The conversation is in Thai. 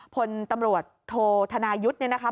พลตำรวจโทษธนายุทธ์เนี่ยนะคะ